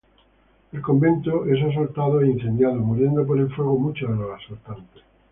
El convento es asaltado e incendiado, muriendo por el fuego muchos de los asaltantes.